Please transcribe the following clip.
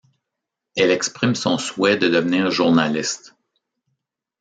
Elle exprime son souhait de devenir journaliste.